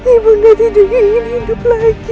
ibunda tidak ingin hidup lagi